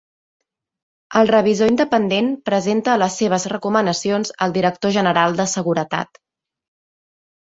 El revisor independent presenta les seves recomanacions al director general de Seguretat.